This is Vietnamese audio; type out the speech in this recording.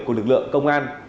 của lực lượng công an